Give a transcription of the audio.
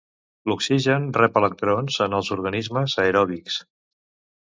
L'oxigen rep electrons en els organismes aeròbics.